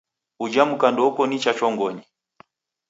Uja muka ndouko nicha chongonyi.